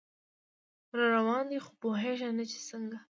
راروان دی خو پوهیږي نه چې څنګه